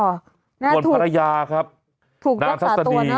คนภรรยาครับถูกรักษาตัวเนอะ